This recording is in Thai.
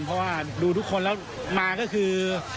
เพราะว่าดูทุกคนแล้วมาก็คือ